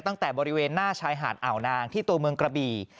ตั้งแต่บริเวณหน้าชายหาดอ่าวนางที่ตัวเมืองกระบี่